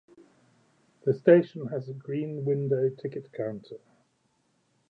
The station has a Green Window ticket counter.